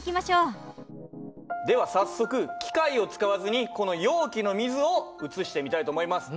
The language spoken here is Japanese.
では早速機械を使わずにこの容器の水を移してみたいと思います。